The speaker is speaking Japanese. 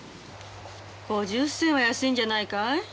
５０銭は安いんじゃないかい。